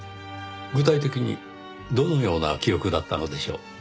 具体的にどのような記憶だったのでしょう？